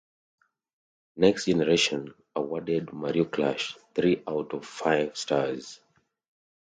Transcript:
"Next Generation" awarded "Mario Clash" three out of five stars.